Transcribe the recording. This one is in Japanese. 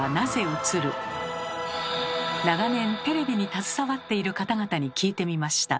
長年テレビに携わっている方々に聞いてみました。